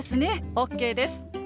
ＯＫです。